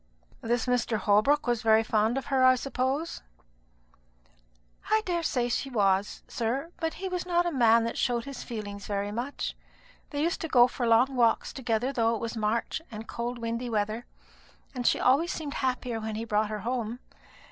'" "This Mr. Holbrook was very fond of her, I suppose?" "I daresay he was, sir; but he was not a man that showed his feelings very much. They used to go for long walks together, though it was March and cold windy weather, and she always seemed happier when he brought her home.